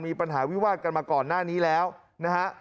มีปัญหาวิวาดกันมาก่อนหน้านี้แล้วนะฮะ